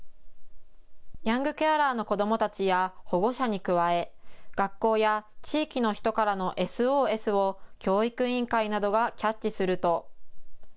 ヤングケアラーの子どもたちや保護者に加え学校や地域の人からのＳＯＳを教育委員会などがキャッチすると。